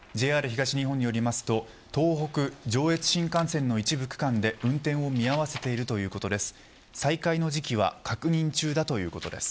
ＪＲ東日本によりますと東北、上越新幹線は一部区間で運転を見合わせているということですが再開の時間は確認中です。